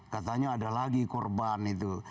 katanya ada lagi korban itu